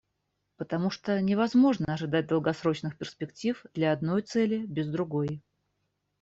Потому что невозможно ожидать долгосрочных перспектив для одной цели без другой.